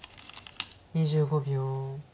２５秒。